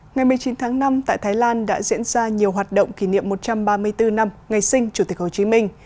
ngày một mươi chín tháng năm tại thái lan đã diễn ra nhiều hoạt động kỷ niệm một trăm ba mươi bốn năm ngày sinh chủ tịch hồ chí minh